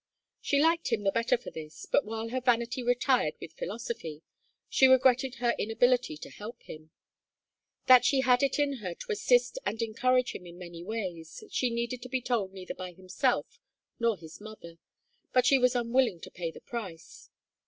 She liked him the better for this, but while her vanity retired with philosophy, she regretted her inability to help him. That she had it in her to assist and encourage him in many ways, she needed to be told neither by himself nor his mother, but she was unwilling to pay the price.